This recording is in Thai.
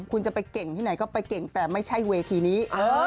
คุณจะไปเก่งที่ไหนก็ไปเก่งแต่ไม่ใช่เวทีนี้